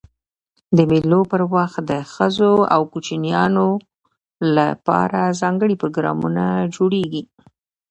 د مېلو پر وخت د ښځو او کوچنيانو له پاره ځانګړي پروګرامونه جوړېږي.